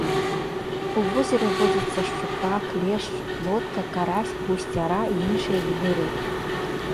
У возеры водзяцца шчупак, лешч, плотка, карась, гусцяра і іншыя віды рыб.